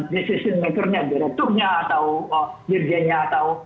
decision maker nya direkturnya atau jirjanya atau